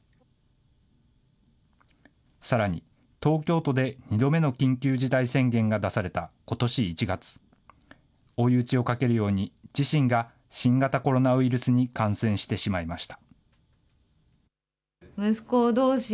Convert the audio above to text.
さらに、東京都で２度目の緊急事態宣言が出されたことし１月、追い打ちをかけるように、自身が新型コロナウイルスに感染してしまいました。